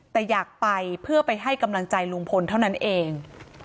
แต่อยากไปเพื่อไปให้กำลังใจลุงพลเท่านั้นเอง